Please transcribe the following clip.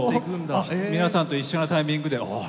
皆さんと一緒のタイミングで「へえ」。